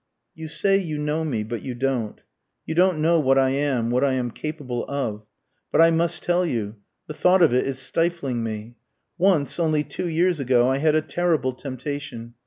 "You say you know me, but you don't. You don't know what I am what I am capable of. But I must tell you, the thought of it is stifling me. Once, only two years ago, I had a terrible temptation.